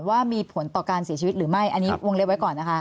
ว่ามีผลต่อการเสียชีวิตหรือไม่อันนี้วงเล็บไว้ก่อนนะคะ